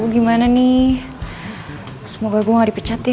gimana nih semoga gue gak dipecat deh